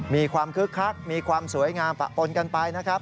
คึกคักมีความสวยงามปะปนกันไปนะครับ